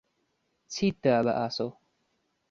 چیت دا بە ئاسۆ؟